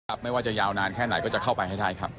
ไม่ว่าจะยาวนานแค่ไหนก็จะเข้าไปให้ได้ครับ